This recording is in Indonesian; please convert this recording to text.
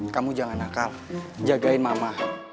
kamu jangan nakal jagain mama